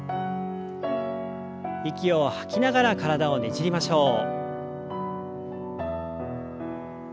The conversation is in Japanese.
息を吐きながら体をねじりましょう。